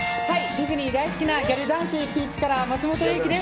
ディズニーが好きなギャル男子ピーチカラーの松本勇輝